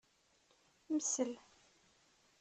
Msel.